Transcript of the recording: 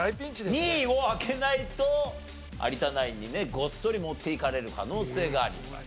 ２位を開けないと有田ナインにねごっそり持っていかれる可能性があります。